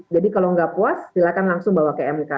jadi kalau tidak puas silahkan langsung bawa ke mk